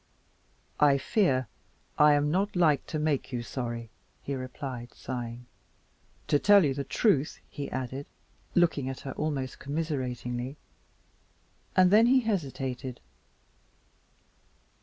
"I fear I'm not like to make you sorry," he replied, sighing. "To tell you the truth " he added, looking at her almost commiseratingly, and then he hesitated.